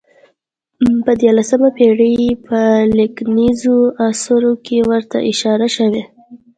په دیارلسمې پېړۍ په لیکنیزو اثارو کې ورته اشاره شوې.